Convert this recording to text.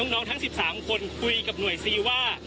ทั้ง๑๓คนคุยกับหน่วยซีว่า